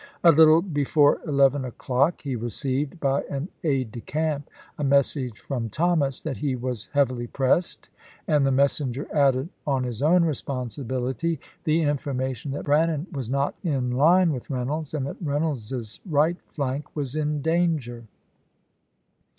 A little before eleven o'clock he received by an aide de camp a message from Thomas that he was heavily pressed, and the messenger added on his own responsibility the information that Brannan was not in line with Reynolds, and that Reynolds's right flank was in danger.